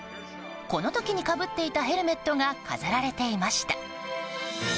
この時にかぶっていたヘルメットが飾られていました。